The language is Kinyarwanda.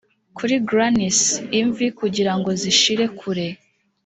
kuri grannies imvi kugirango zishire kure